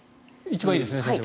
一番いいですね、先生。